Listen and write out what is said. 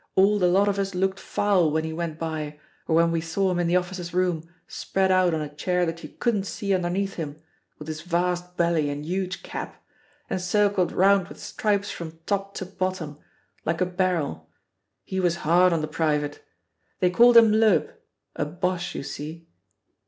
All the lot of us looked foul when he went by or when we saw him in the officers' room spread out on a chair that you couldn't see underneath him, with his vast belly and huge cap, and circled round with stripes from top to bottom, like a barrel he was hard on the private! They called him Loeb a Boche, you see!"